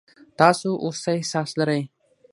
تاسو اوس څه احساس لرئ؟